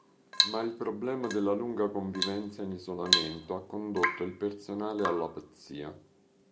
Ma il problema della lunga convivenza in isolamento ha condotto il personale alla pazzia.